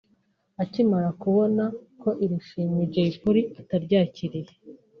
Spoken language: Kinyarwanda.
Akimara kubona ko iri shimwe Jay Polly ataryakiriye